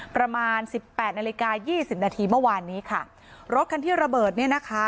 ประมาณสิบแปดนาฬิกายี่สิบนาทีเมื่อวานนี้ค่ะรถคันที่ระเบิดเนี่ยนะคะ